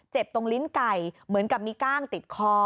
ตรงลิ้นไก่เหมือนกับมีก้างติดคอ